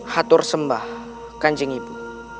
hatur sembah kanjeng ibu